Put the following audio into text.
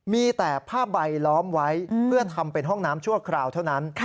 มีแต่ผ้าใบล้อมไว้เพื่อทำเป็นห้องน้ำชั่วคราวเท่านั้น